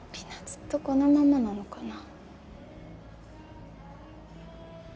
ずっとこのままなのかな。